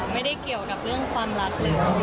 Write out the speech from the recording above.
ไม่ได้เกี่ยวกับเรื่องความรักเลย